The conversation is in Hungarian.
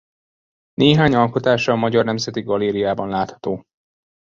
Néhány alkotása a Magyar Nemzeti Galériában látható.